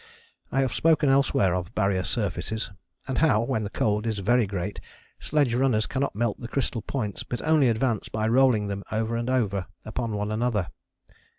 I have spoken elsewhere of Barrier surfaces, and how, when the cold is very great, sledge runners cannot melt the crystal points but only advance by rolling them over and over upon one another.